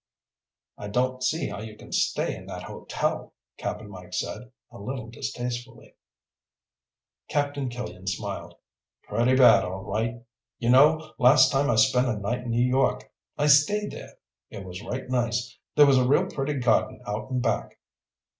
"I don't see how you can stay in that hotel," Cap'n Mike said, a little distastefully. Captain Killian smiled. "Pretty bad, all right. You know, last time I spent a night in New York I stayed there. It was right nice. There was a real pretty garden out in back."